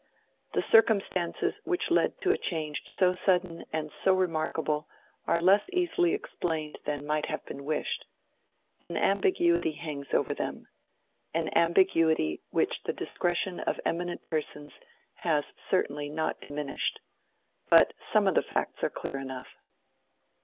The circumstances which led to a change so sudden and so remarkable are less easily explained than might have been wished. An ambiguity hangs over them an ambiguity which the discretion of eminent persons has certainly not diminished. But some of the facts are clear enough.